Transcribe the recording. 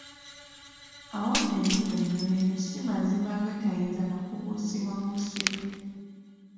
Awo nno ennyinyonnyolero si mazima agatayinza na kubuusibwabuusibwa.